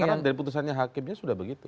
karena dari putusannya hakimnya sudah begitu